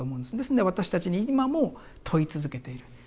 ですので私たちに今も問い続けている。